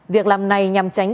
việc làm này nhằm tránh